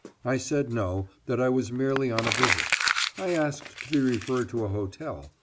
I said no, that I was merely on a visit. I asked to be referred to a hotel.